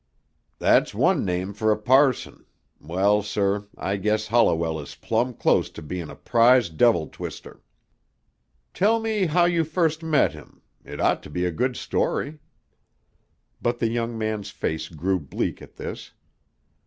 "That's one name fer a parson. Well, sir, I guess Holliwell is plumb close to bein' a prize devil twister." "Tell me how you first met him. It ought to be a good story." But the young man's face grew bleak at this.